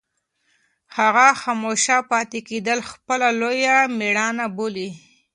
هغه خاموشه پاتې کېدل خپله لویه مېړانه بولي.